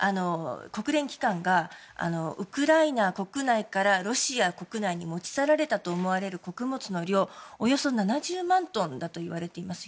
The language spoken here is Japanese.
国連機関がウクライナ国内からロシア国内に持ち去られたと思われる穀物の量およそ７０万トンだといわれています。